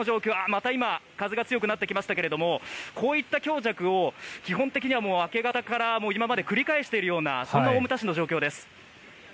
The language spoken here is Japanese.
また今も風が強くなってきましたがこういった強弱を基本的には明け方から今まで繰り返しているようなそんな大牟田市の状況です。